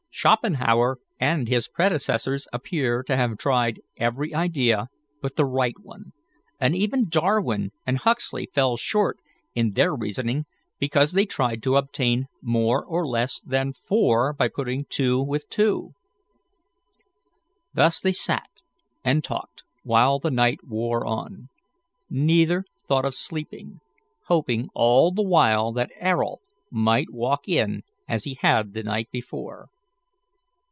Schopenhouer and his predecessors appear to have tried every idea but the right one, and even Darwin and Huxley fell short in their reasoning, because they tried to obtain more or less than four by putting two with two." Thus they sat and talked while the night wore on. Neither thought of sleeping, hoping all the while that Ayrault might walk in as he had the night before.